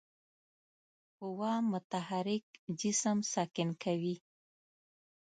قوه متحرک جسم ساکن کوي.